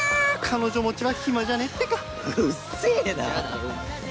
彼女持ちは暇じゃねぇってかうっせぇな！